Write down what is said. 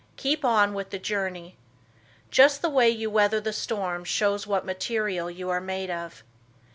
Keep on with the journey. Just the way you weather the storm shows what material you are made of.